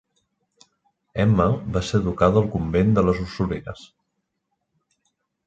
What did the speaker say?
Emma va ser educada al convent de les Ursulines.